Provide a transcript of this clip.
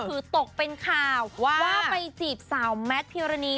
คือตกเป็นข่าวว่าไปจีบสาวแมทพิวรณี